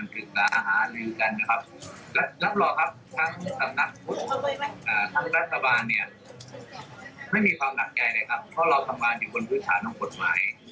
เพราะเราสำราญอยู่บนพฤษฐานงกฎหมาย